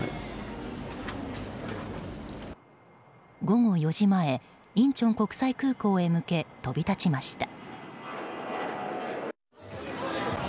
午後４時前インチョン国際空港へ向け飛び立ちました。